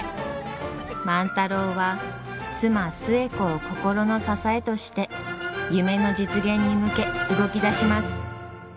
万太郎は妻寿恵子を心の支えとして夢の実現に向け動き出します。